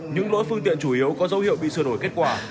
những lỗi phương tiện chủ yếu có dấu hiệu bị sửa đổi kết quả